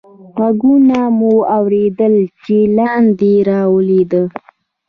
ږغونه مو اورېدل، چې لاندې رالوېدل.